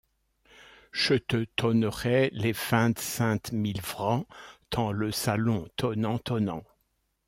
Che te tonnerai les fint-sainte mile vrancs tans le salon… tonnant, tonnant.